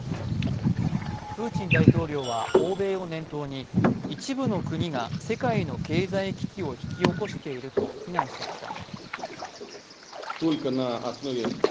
プーチン大統領は訪米を念頭に一部の国が世界の経済危機を引き起こしていると非難しました。